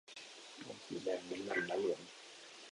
ธงสีแดง น้ำเงิน และเหลือง